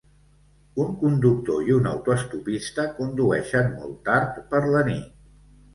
Un conductor i un autoestopista condueixen molt tard per la nit.